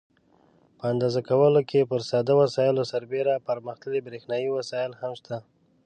په اندازه کولو کې پر ساده وسایلو سربېره پرمختللي برېښنایي وسایل هم شته.